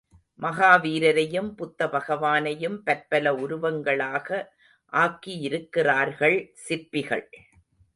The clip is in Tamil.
மகாவீரரையும், புத்த பகவானையும் பற்பல உருவங்களாக ஆக்கியிருக்கிறார்கள் சிற்பிகள்.